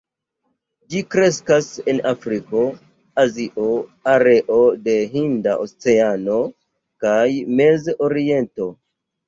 Ĝi kreskas en Afriko, Azio, areo de Hinda Oceano kaj Mez-Oriento.